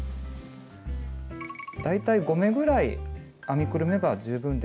大体５目ぐらい編みくるめば十分です。